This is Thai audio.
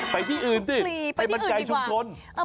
ไปที่อื่นสิไปบรรยายชุมชน